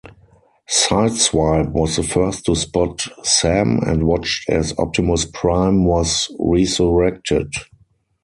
Sideswipe was the first to spot Sam and watched as Optimus Prime was resurrected.